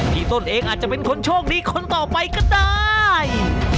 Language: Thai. พี่ต้นเองอาจจะเป็นคนโชคดีคนต่อไปก็ได้